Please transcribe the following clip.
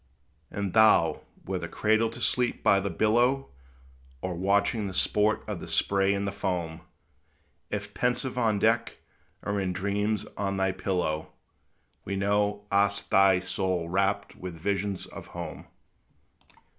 And thou, whether cradled to sleep by the billow, Or watching the sport of the spray and the foam, If pensive on deck, or in dreams on thy pillow, We know hast thy soul rapt with visions of home.